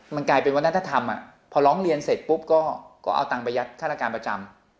มันกลายเป็นวัฒนธรรมพอร้องเรียนเสร็จปุ๊บก็เอาตังค์ไปยัดฆาตการประจำ